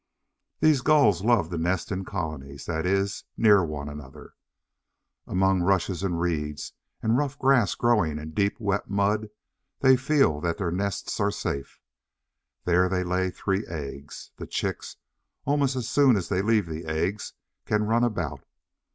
These Gulls love to nest in colonies that is, near one another. Among rushes and reeds, and rough grass growing in deep wet mud, they feel that their nests are safe. There they lay three eggs. The chicks, almost as soon as they leave the eggs, can run about.